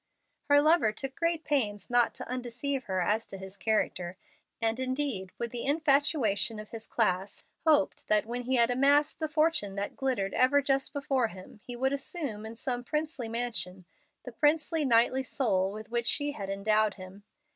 Her lover took great pains not to undeceive her as to his character, and indeed, with the infatuation of his class, hoped that, when he had amassed the fortune that glittered ever just before him, he could assume, in some princely mansion, the princely, knightly soul with which she had endowed him.